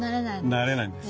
なれないんですよ